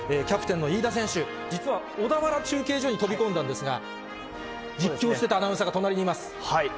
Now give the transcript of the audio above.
キャプテンの飯田選手、実は小田原中継所に飛び込んだんですが、実況してたアナウンサーが隣にいます。